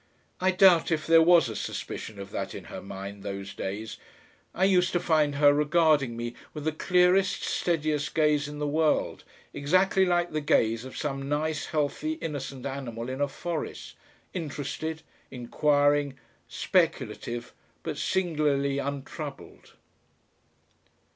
I doubt if there was a suspicion of that in her mind those days. I used to find her regarding me with the clearest, steadiest gaze in the world, exactly like the gaze of some nice healthy innocent animal in a forest, interested, inquiring, speculative, but singularly untroubled....